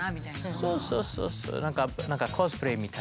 そうそうそうそう。